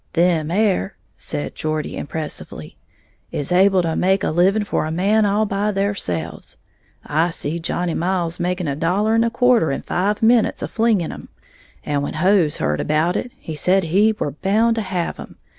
"Them 'ere," said Geordie impressively, "is able to make a living for a man all by theirselves. I seed Johnny Miles make a dollar'n' a quarter in five minutes, a flingin' 'em. And when Hose heared about it, he said he were bound to have 'em.